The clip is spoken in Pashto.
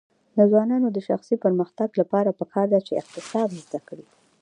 د ځوانانو د شخصي پرمختګ لپاره پکار ده چې اقتصاد زده کړي.